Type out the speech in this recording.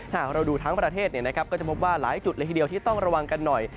ถ้าเราดูทั้งประเทศนะครับก็จะเหลือว่าหลายจุดและฮีเดียวที่ต้องระวังกันหน่อย